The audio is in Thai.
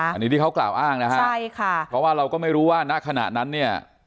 อันนี้ที่เขากล่าวอ้างนะฮะใช่ค่ะเพราะว่าเราก็ไม่รู้ว่าณขณะนั้นเนี่ย